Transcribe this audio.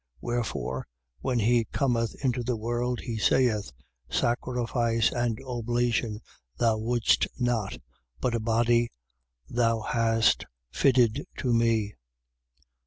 10:5. Wherefore, when he cometh into the world he saith: Sacrifice and oblation thou wouldest not: but a body thou hast fitted to me.